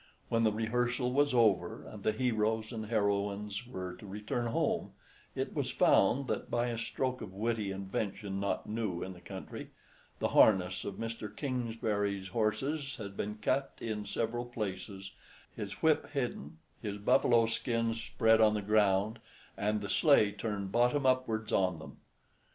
When the rehearsal was over, and the heroes and heroines were to return home, it was found that, by a stroke of witty invention not new in the country, the harness of Mr. Kingsbury's horses had been cut in several places, his whip hidden, his buffalo skins spread on the ground, and the sleigh turned bottom upwards on them.